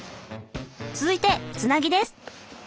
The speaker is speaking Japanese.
続いてつなぎです。